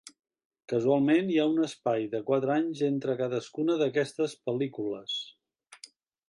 Casualment, hi ha un espai de quatre anys entre cadascuna d'aquestes pel·lícules.